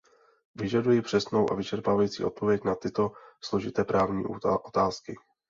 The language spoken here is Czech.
Vyžaduji přesnou a vyčerpávající odpověď na tyto složité právní otázky.